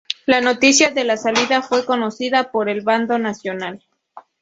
La noticia de la salida fue conocida por el bando nacional.